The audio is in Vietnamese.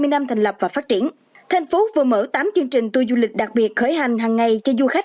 ba trăm hai mươi năm thành lập và phát triển thành phố vừa mở tám chương trình tui du lịch đặc biệt khởi hành hằng ngày cho du khách